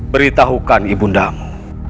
beritahukan ibu ndamu